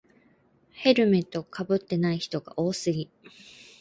ヘルメットかぶってない人が多すぎ